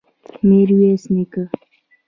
ميرويس نيکه!